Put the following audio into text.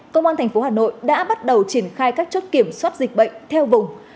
công an thành phố hà nội đã bắt đầu triển khai các chốt kiểm soát dịch bệnh theo vùng